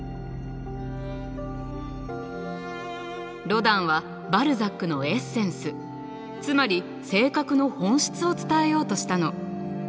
ロダンはバルザックのエッセンスつまり性格の本質を伝えようとしたの。